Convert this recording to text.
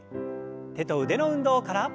手と腕の運動から。